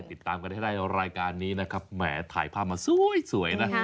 ติดตามกันให้ได้รายการนี้นะครับแหมถ่ายภาพมาสวยนะฮะ